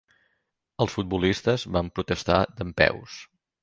Els futbolistes van protestar dempeus